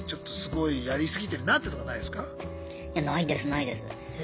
いやないですないです。え？